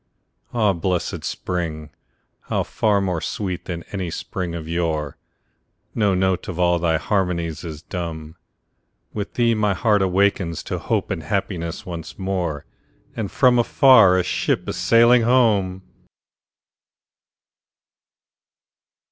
Ah, blessed spring!—how far more sweet than any spring of yore! No note of all thy harmonies is dumb; With thee my heart awakes to hope and happiness once more, And from afar a ship is sailing home!